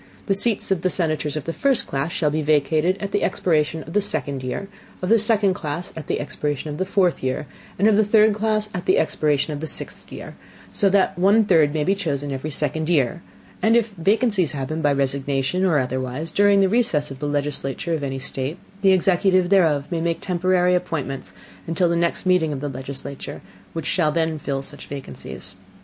The Seats of the Senators of the first Class shall be vacated at the expiration of the second Year, of the second Class at the expiration of the fourth Year, and of the third Class at the expiration of the sixth Year, so that one third may be chosen every second Year; and if vacancies happen by Resignation, or otherwise, during the recess of the Legislature of any State, the Executive thereof may make temporary Appointments until the next meeting of the Legislature, which shall then fill such Vacancies.